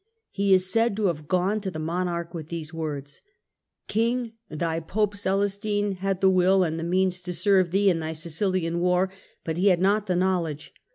He is said to have gone to the monarch with these words :" King, thy Pope Celestine had the will and the means to serve thee in thy Sicilian war, but he had not the knowledge.